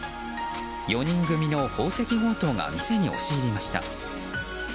４人組の宝石強盗が店に押し入りました。